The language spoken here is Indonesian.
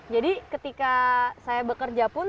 jadi ketika saya bekerja pun